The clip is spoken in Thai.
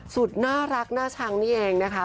สุดน่ารักน่าชังนี่เองนะคะ